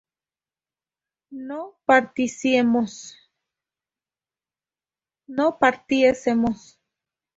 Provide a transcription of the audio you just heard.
no partiésemos